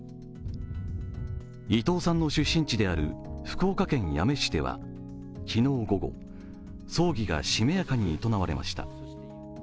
伊藤さんの出身地である福岡県八女市では昨日午後、葬儀がしめやかに営まれました。